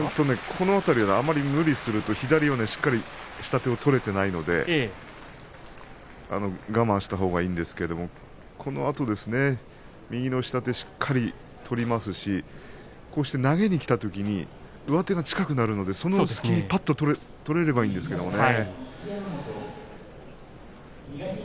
この辺りはあまり無理すると下手がしっかり取れていないので我慢したほうがいいんですけどこのあと右の下手しっかり取りますし投げにきたときに上手が近くなるのでその隙にぱっと取れればいいんですけどね。